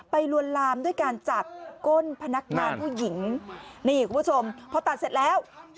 ลวนลามด้วยการจับก้นพนักงานผู้หญิงนี่คุณผู้ชมพอตัดเสร็จแล้ว